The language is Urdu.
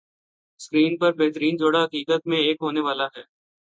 اسکرین پر بہترین جوڑا حقیقت میں ایک ہونے والا ہے